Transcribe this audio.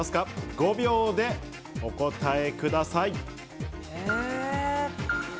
５秒でお答えください。